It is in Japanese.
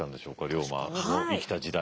龍馬の生きた時代。